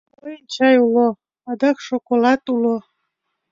Мыйын чай уло, адак шоколад уло.